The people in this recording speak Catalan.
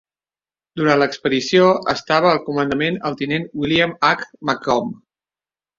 Durant l'expedició, estava al comandament el tinent William H. Macomb.